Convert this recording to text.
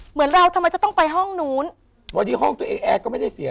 เหมือนเราทำไมจะต้องไปห้องนู้นวันนี้ห้องตัวเองแอร์ก็ไม่ได้เสีย